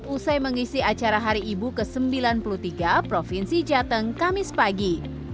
usai mengisi acara hari ibu ke sembilan puluh tiga provinsi jateng kamis pagi